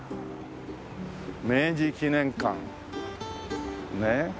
「明治記念館」ねえ。